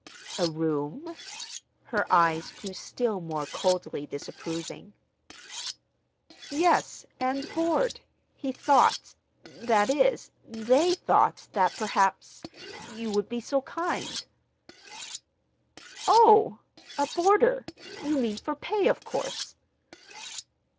"A room?" Her eyes grew still more coldly disapproving. "Yes, and board. He thought—that is, they thought that perhaps—you would be so kind." "Oh, a boarder! You mean for pay, of course?"